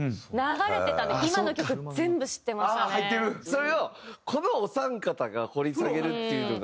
それをこのお三方が掘り下げるっていうのが。